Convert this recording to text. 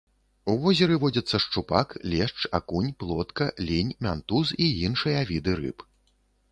У возеры водзяцца шчупак, лешч, акунь, плотка, лінь, мянтуз і іншыя віды рыб.